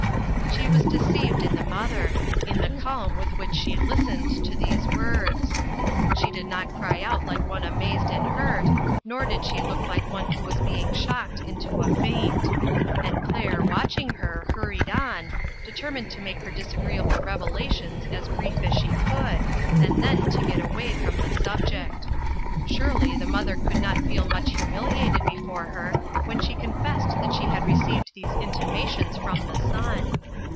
She was deceived in the mother in the calm with which she listened to these words. She did not cry out like one amazed and hurt, nor did she look like one who was being shocked into a faint ; and Claire, watch ing her, hurried on, determined to make her disagreeable revelations as brief as she could, UNPALATABLE TRUTHS. 355 and then to get away from the subject. Surely the mother could not feel much hu miliated before her, when she confessed that she had received these intimations from the son.